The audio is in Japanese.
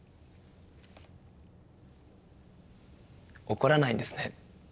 怒らないんですね。